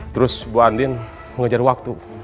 terus bu andin mengejar waktu